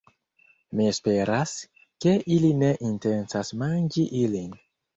Mi esperas, ke ili ne intencas manĝi ilin